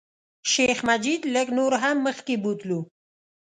شیخ مجید لږ نور هم مخکې بوتلو.